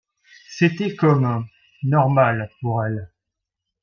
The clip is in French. C’était comme… normal, pour elles.